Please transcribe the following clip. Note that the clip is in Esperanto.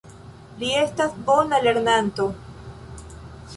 Li estas bona lernanto.